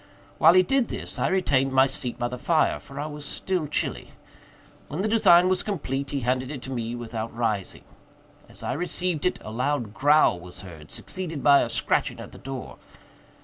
While he did this, I retained my seat by the fire, for I was still chilly. When the design was complete, he handed it to me without rising. As I received it, a loud growl was heard, succeeded by a scratching at the door.